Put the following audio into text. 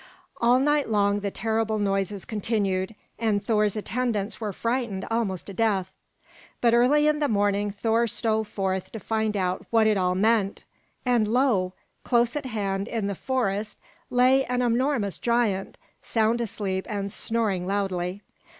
All night long the terrible noises continued, and Thor's attendants were frightened almost to death; but early in the morning Thor stole forth to find out what it all meant. And lo! close at hand in the forest lay an enormous giant, sound asleep and snoring loudly.